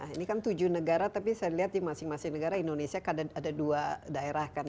ini kan tujuh negara tapi saya lihat di masing masing negara indonesia ada dua daerah kan